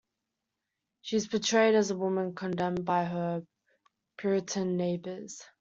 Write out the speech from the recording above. She is portrayed as a woman condemned by her Puritan neighbors.